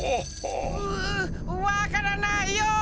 うわからないよ。